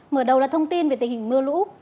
mở đầu là thông tin về tình hình mưa lũ